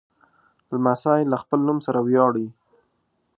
لمسی له خپل نوم سره ویاړي.